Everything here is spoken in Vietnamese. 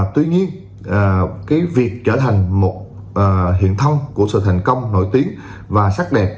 tuy nhiên việc trở thành một hiện thông của sự thành công nổi tiếng và sắc đẹp